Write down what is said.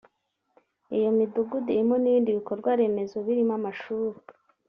Iyo midugudu irimo n’ibindi bikorwa remezo birimo amashuri